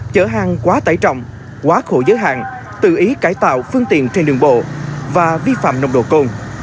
chở hàng quá tải trọng quá khổ giới hạn tự ý cải tạo phương tiện trên đường bộ và vi phạm nồng độ cồn